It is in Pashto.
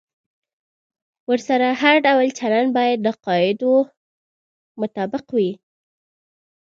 ورسره هر ډول چلند باید د قاعدو مطابق وي.